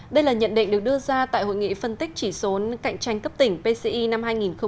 đây là nhận định được đưa ra tại hội nghị phân tích chỉ số cạnh tranh cấp tỉnh pci năm hai nghìn hai mươi